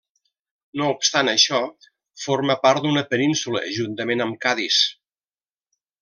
No obstant això, forma part d'una península juntament amb Cadis.